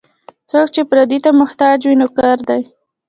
څوک چې پردي ته محتاج وي، نوکر دی.